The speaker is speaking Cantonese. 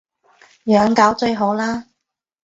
養狗最好喇